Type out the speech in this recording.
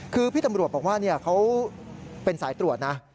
คือพี่ตำรวจบอกว่าเขาเป็นสายตรวจนะ